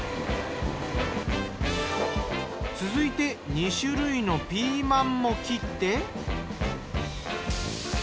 続いて２種類のピーマンも切って。